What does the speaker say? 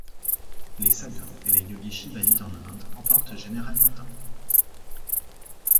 Les sadhus et les yogis shivaïtes en Inde en portent généralement un.